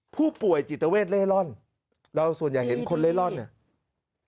ผู้ป่วยจิตเวทเล่ร่อนเราส่วนใหญ่เห็นคนเล่ร่อนเนี่ย